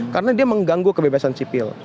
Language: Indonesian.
karena dia mengganggu kebebasan sipil